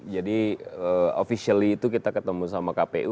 jadi officially itu kita ketemu sama kpu